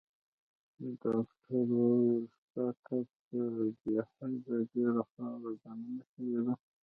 ډاکټر وویل: ستا ټپ ته بې حده ډېره خاوره دننه شوې ده.